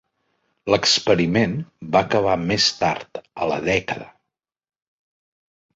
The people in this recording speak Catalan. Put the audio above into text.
L'experiment va acabar més tard a la dècada.